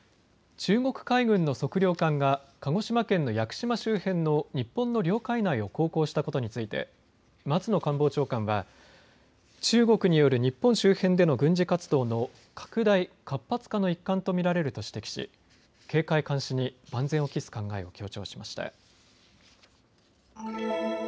中国海軍の測量艦が鹿児島県の屋久島周辺の日本の領海内を航行したことについて松野官房長官は中国による日本周辺での軍事活動の拡大・活発化の一環と見られると指摘し警戒・監視に万全を期す考えを強調しました。